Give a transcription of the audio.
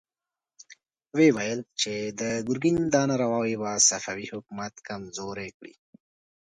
ويې ويل چې د ګرګين دا نارواوې به صفوي حکومت کمزوری کړي.